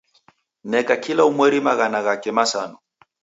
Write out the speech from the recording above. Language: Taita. Neka kila umweri maghana ghake masanu.